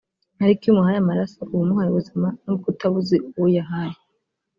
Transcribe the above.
Ariko iyo umuhaye amaraso uba umuhaye ubuzima nubwo utaba uzi uwo uyahaye